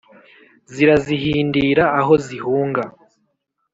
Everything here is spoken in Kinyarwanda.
Zirazihindira aho zihunga,